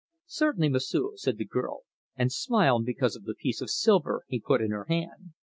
"Certainly, M'sieu'," said the girl, and smiled because of the piece of silver he put in her hand.